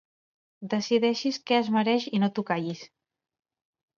Decideixis què es mereix i no t'ho callis.